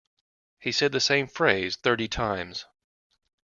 He said the same phrase thirty times.